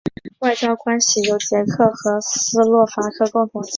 外交关系由捷克和斯洛伐克共同继承。